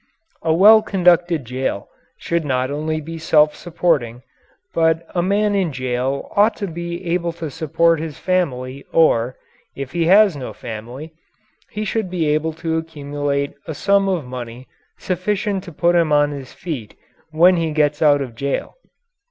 A well conducted jail should not only be self supporting, but a man in jail ought to be able to support his family or, if he has no family, he should be able to accumulate a sum of money sufficient to put him on his feet when he gets out of jail.